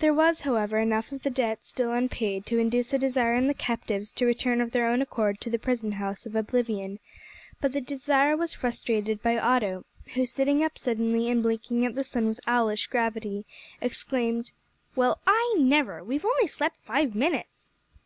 There was, however, enough of the debt still unpaid to induce a desire in the captives to return of their own accord to the prison house of Oblivion, but the desire was frustrated by Otto, who, sitting up suddenly and blinking at the sun with owlish gravity, exclaimed "Well, I never! We've only slept five minutes!"